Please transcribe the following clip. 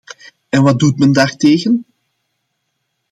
En wat doet men daartegen?